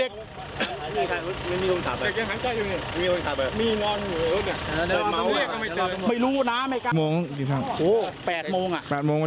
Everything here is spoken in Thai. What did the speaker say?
กรอน๘โมงอ่ะ